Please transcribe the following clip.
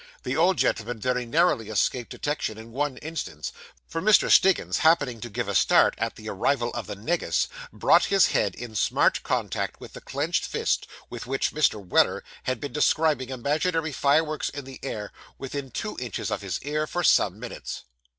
The old gentleman very narrowly escaped detection in one instance; for Mr. Stiggins happening to give a start on the arrival of the negus, brought his head in smart contact with the clenched fist with which Mr. Weller had been describing imaginary fireworks in the air, within two inches of his ear, for some minutes.